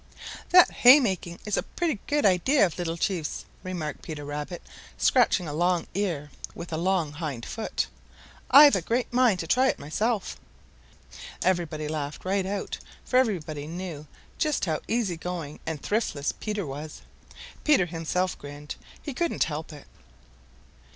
"That haymaking is a pretty good idea of Little Chief's," remarked Peter Rabbit, scratching a long ear with a long hind foot. "I've a great mind to try it myself." Everybody laughed right out, for everybody knew just how easy going and thriftless Peter was. Peter himself grinned. He couldn't help it.